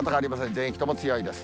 全域とも強いです。